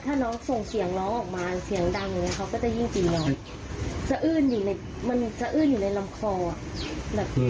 ถ้าเสียงออกมาแม้แต่นิดเดียวเขาก็โดน